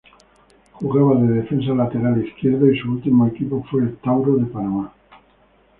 Jugaba de defensa lateral izquierdo y su último equipo fue el Tauro de Panamá.